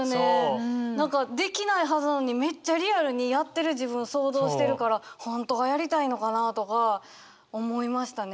何かできないはずなのにめっちゃリアルにやってる自分想像してるから本当はやりたいのかなとか思いましたね。